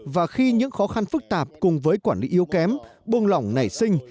và khi những khó khăn phức tạp cùng với quản lý yếu kém buông lỏng nảy sinh